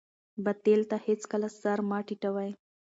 باطل ته هېڅکله سر مه ټیټوئ.